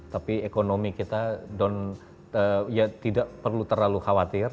tapi ekonomi kita down ya tidak perlu terlalu khawatir